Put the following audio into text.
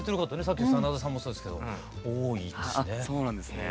さっき真田さんもそうですけど多いですね。